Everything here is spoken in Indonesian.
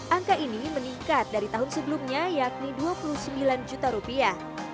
angka ini meningkat dari tahun sebelumnya yakni dua puluh sembilan juta rupiah